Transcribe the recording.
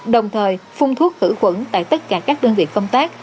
đồng thời phung thuốc khử quẩn tại tất cả các đơn vị công tác